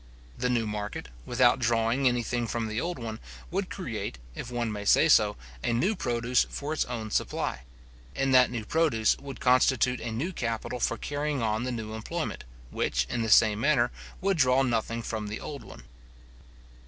The new market, without drawing any thing from the old one, would create, if one may say so, a new produce for its own supply; and that new produce would constitute a new capital for carrying on the new employment, which, in the same manner, would draw nothing from the old one.